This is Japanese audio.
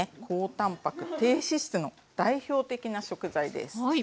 高たんぱく低脂質の代表的な食材です。